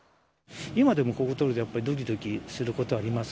今でもここ通ると、どきどきすることがあります。